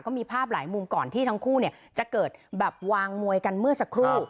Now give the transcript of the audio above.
มีภาพหลายมุมก่อนที่ทั้งคู่จะเกิดแบบวางมวยกันเมื่อสักครู่